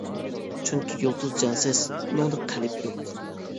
چۈنكى يۇلتۇز جانسىز، ئۇنىڭدا قەلب يوق.